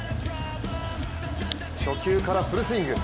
初球からフルスイング。